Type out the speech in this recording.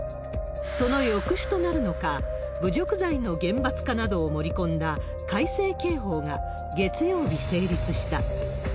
その抑止となるのか、侮辱罪の厳罰化などを盛り込んだ改正刑法が、月曜日成立した。